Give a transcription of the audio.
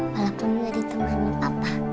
walaupun udah ditemani bapak